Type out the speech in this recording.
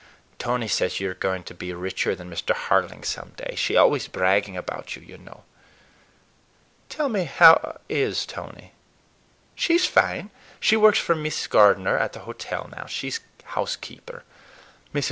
"Tony says you're going to be richer than Mr. Harling some day. She's always bragging about you, you know." "Tell me, how is Tony?" "She's fine. She works for Mrs. Gardener at the hotel now. She's housekeeper. Mrs.